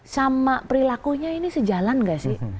sama perilakunya ini sejalan gak sih